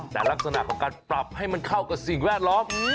แต่ลักษณะของการปรับให้มันเข้ากับสิ่งแวดล้อม